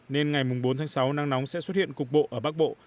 nên ngày bốn sáu năng nóng sẽ xuất hiện cục bộ ở bắc bộ